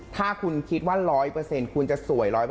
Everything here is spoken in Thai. ถ้าคุณคิดว่า๑๐๐คุณจะสวย๑๐๐